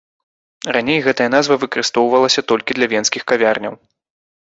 Раней гэтая назва выкарыстоўвалася толькі для венскіх кавярняў.